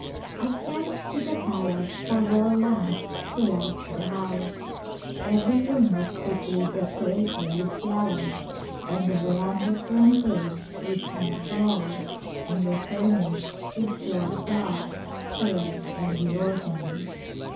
I sent to the palace for wall lamps to light the house. Every room was prettily decorated with flowers and the verandas were enclosed with tent walls and were furnished with floor cloths, chairs and the organ.